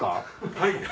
はい。